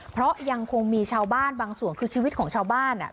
เพราะยังคงมีชาวบ้านบางส่วนคือชีวิตของชาวบ้านอ่ะ